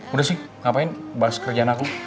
udah sih ngapain bahas kerjaan aku